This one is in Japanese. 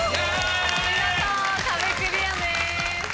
見事壁クリアです。